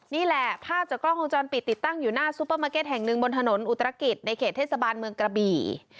นี่แหละภาพจากกล้องวงจรปิดติดตั้งอยู่หน้าซูเปอร์มาร์เก็ตแห่งหนึ่งบนถนนอุตรกิจในเขตเทศบาลเมืองกระบี่